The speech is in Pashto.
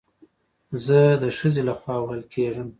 زه د خځې له خوا وهل کېږم